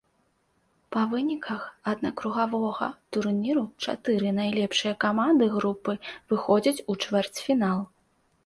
Па выніках аднакругавога турніру чатыры найлепшыя каманды групы выходзяць у чвэрцьфінал.